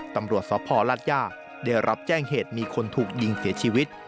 ตำรวจสพลาดย่าได้รับแจ้งเหตุมีคนถูกยิงเสียชีวิต